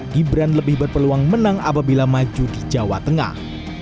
gibran lebih berpeluang menang apabila maju di jawa tengah